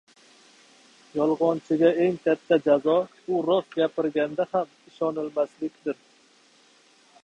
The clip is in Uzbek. • Yolg‘onchiga eng katta jazo u rost gapirganda ham ishonilmasligidir.